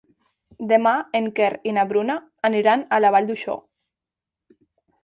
Demà en Quer i na Bruna aniran a la Vall d'Uixó.